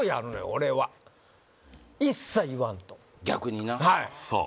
俺は一切言わんと逆になはいさあ